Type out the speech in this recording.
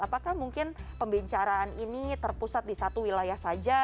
apakah mungkin pembicaraan ini terpusat di satu wilayah saja